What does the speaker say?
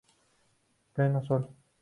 Pleno sol.